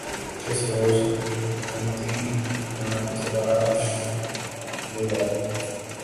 کس روز تہمتیں نہ تراشا کیے عدو